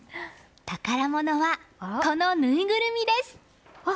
宝物は、このぬいぐるみです。